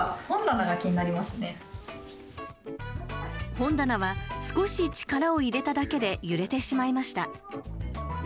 本棚は、少し力を入れただけで揺れてしまいました。